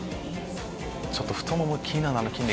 ちょっと太もも気になるなあの筋肉。